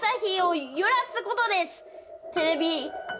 テレビ。